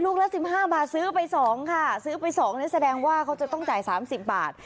ลูกละสิบห้าบาทซื้อไปสองค่ะซื้อไปสองนี่แสดงว่าเขาจะต้องจ่ายสามสิบบาท